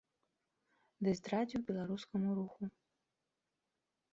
Ды здрадзіў беларускаму руху!